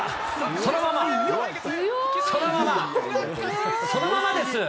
そのまま、そのまま、そのままです。